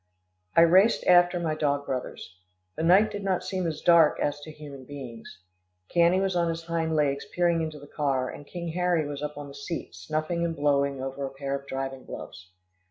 I raced after my dog brothers. The night did not seem as dark as to human beings. Cannie was on his hind legs peering into the car, and King Harry was up on the seat, snuffing and blowing over a pair of driving gloves.